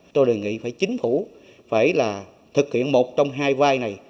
tôi đề nghị phải chính phủ phải là thực hiện một trong hai vai này